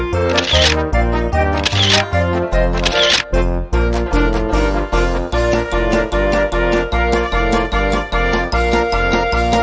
เพราะว่าคิดถึงกับปะมากเลยใช่มั้ยคะ